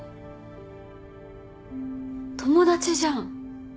友達じゃん。